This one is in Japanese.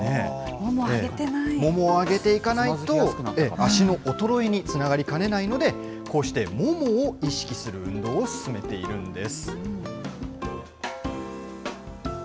もも上げていかないと、足の衰えにつながりかねないので、こうしてももを意識する運動を勧めているんです。